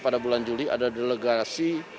pada bulan juli ada delegasi